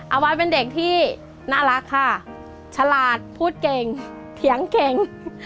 เอาไว้เป็นเด็กที่น่ารักค่ะฉลาดพูดเก่งเถียงเก่ง